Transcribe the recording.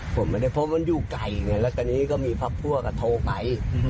ผมไม่ได้พบว่ามันอยู่ไกลแล้วตอนนี้ก็มีภาพพั่วก็โทรไป